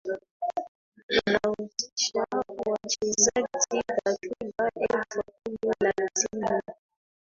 yanahuzisha wachezaji takriban elfu kumi na timu